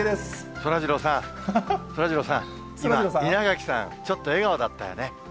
そらジローさん、そらジローさん、今、稲垣さん、ちょっと笑顔だったよね？